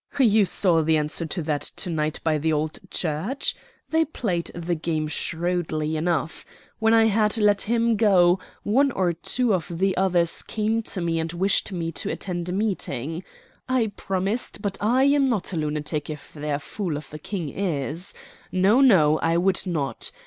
"You saw the answer to that to night by the old church. They played the game shrewdly enough. When I had let him go, one or two of the others came to me and wished me to attend a meeting. I promised; but I am not a lunatic, if their fool of a King is. No, no; I would not.